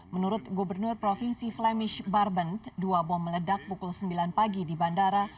menurut gubernur provinsi flemish barben dua bom meledak pukul sembilan pagi di bandara